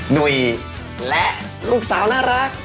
หนุ่ยและลูกสาวน่ารัก